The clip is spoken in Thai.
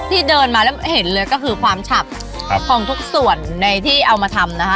ที่เดินมาแล้วเห็นเลยก็คือความฉับของทุกส่วนในที่เอามาทำนะคะ